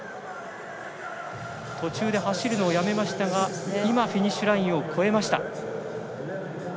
途中で走るのをやめましたがフィニッシュラインを越えました。